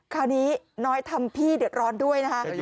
คราวนี้น้อยทำพี่เดือดร้อนด้วยนะคะ